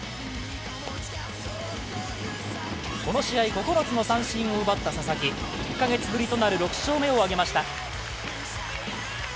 この試合９つの三振を奪った佐々木１カ月ぶりとなる６勝目を挙げました。